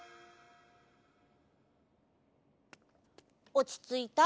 おちついた？